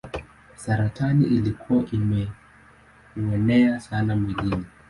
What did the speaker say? Saratani ilikuwa imemuenea sana mwilini.